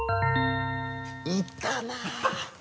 いたなぁ！